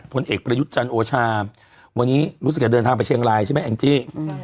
ผลเอกประยุทธ์จันทร์โอชาวันนี้รู้สึกจะเดินทางไปเชียงรายใช่ไหมแองจี้